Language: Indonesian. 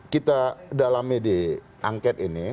kita dalami di angket ini